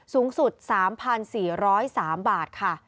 สูงสุด๓๔๐๓บาท